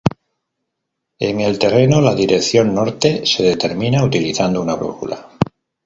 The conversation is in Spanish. En el terreno la dirección norte se determina utilizando una brújula.